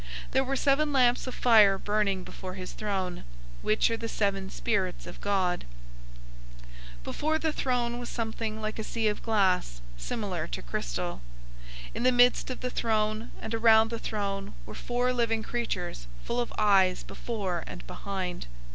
There were seven lamps of fire burning before his throne, which are the seven Spirits of God. 004:006 Before the throne was something like a sea of glass, similar to crystal. In the midst of the throne, and around the throne were four living creatures full of eyes before and behind.